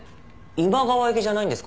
今川焼きじゃないんですか？